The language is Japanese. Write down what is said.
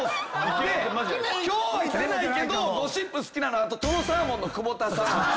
今日いてないけどゴシップ好きなのあととろサーモンの久保田さん。